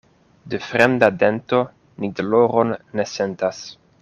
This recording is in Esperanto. De fremda dento ni doloron ne sentas.